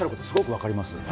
すごくよく分かります。